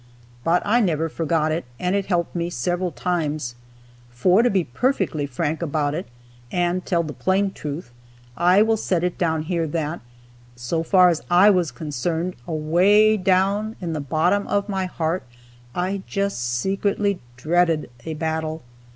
But I never forgot it, and it helped me several times. For, to be perfectly frank about it, and tell the plain truth, I will set it down here that, so far as I was concerned, away down in the bottom of my heart I just secretly dreaded a battle.